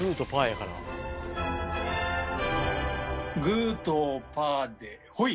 「グーとパーでホイ」